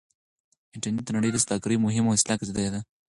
انټرنټ د نړۍ د سوداګرۍ مهمه وسيله ګرځېدلې ده.